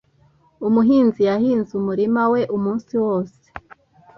Umuhinzi yahinze umurima we umunsi wose.